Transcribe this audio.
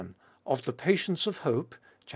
Of the Patience of Hope (xii.